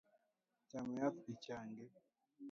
Cham yath ichangi.